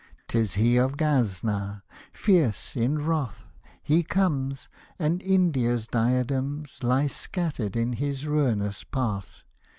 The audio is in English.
'Tis He of Gazna — fierce in wrath He comes, and India's diadems Lie scattered in his ruinous path.